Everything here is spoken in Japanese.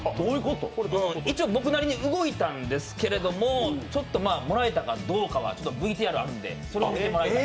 一応、僕なりに動いたんですけど、もらえたかどうかはＶＴＲがあるんで、それを見てもらいたい。